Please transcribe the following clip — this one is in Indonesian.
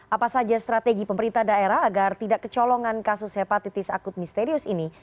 apa saja strategi pemerintah daerah agar tidak kecolongan kasus hepatitis akut misterius ini